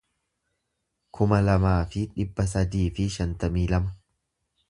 kuma lamaa fi dhibba sadii fi shantamii lama